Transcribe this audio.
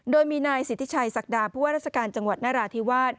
โดยมีนายสิทธิชัยศักดาผู้ว่าราชการจังหวัดนราธิวาส